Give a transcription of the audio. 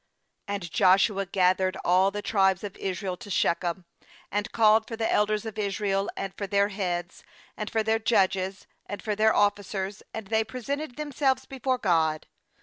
And Joshua gathered all the tribes of Israel to Shechem, and called for the elders of Israel, and for their heads, and for their judges, and for their officers; and they presented themselves before God.